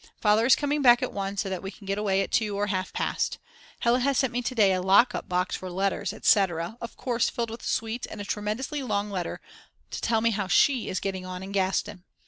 Father is coming back at 1 so that we can get away at 2 or half past. Hella has sent me to day a lock up box for letters, etc.!!! of course filled with sweets and a tremendously long letter to tell me how she is getting on in Gastein.